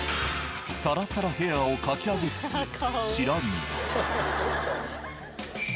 サラサラヘアをかきあげつつチラ見。